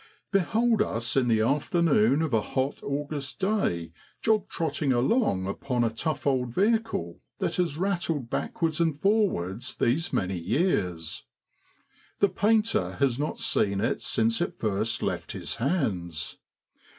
77 Behold us in the afternoon of a hot August day jog trotting along upon a tough old vehicle that has rattled backwards and forwards these many years; the painter has not seen it since it first left his hands.